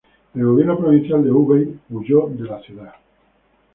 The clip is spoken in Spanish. El gobierno provincial de Hubei huyó de la ciudad.